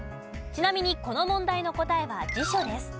ちなみにこの問題の答えは辞書です。